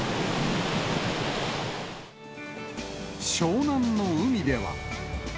湘南の海では。